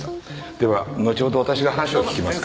ではのちほど私が話を聞きますから。